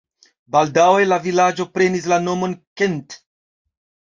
Baldaŭe la vilaĝo prenis la nomon Kent.